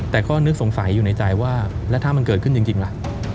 แต่ก็นึกสงสัยอยู่ในใจว่าแล้วถ้ามันเกิดขึ้นจริงล่ะ